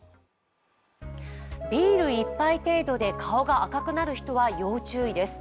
ビール１杯程度で顔が赤くなる人は要注意です。